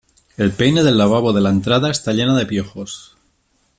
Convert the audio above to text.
El peine del lavabo de la entrada está llena de piojos.